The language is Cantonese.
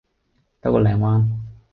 兜個靚彎